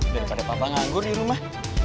daripada papa nganggur di rumah